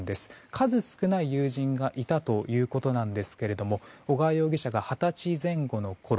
数少ない友人がいたということなんですが小川容疑者が二十歳前後のころ